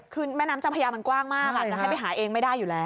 คือแม่น้ำเจ้าพญามันกว้างมากจะให้ไปหาเองไม่ได้อยู่แล้ว